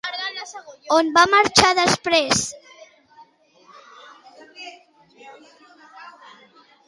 On va marxar després?